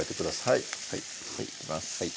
はいいきます